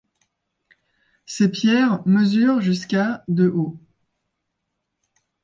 Ses pierres mesurent jusqu'à de haut.